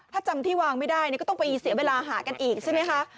ถ้าจำที่วางไม่ได้ก็ต้องไปเสียเวลาหากันอีกใช่ไหมคะ